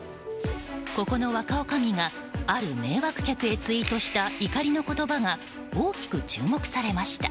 ここの若おかみがある迷惑客へツイートした怒りの言葉が大きく注目されました。